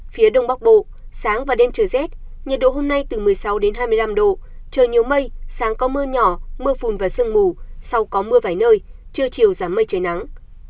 phía đông bắc bộ sáng và đêm trời rét nhiệt độ hôm nay từ một mươi sáu đến hai mươi năm độ trời nhiều mây sáng có mưa nhỏ mưa phùn và sương mù sau có mưa vài nơi trưa chiều giảm mây trời nắng